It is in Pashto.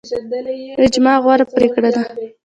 اجماع غوره پریکړه ده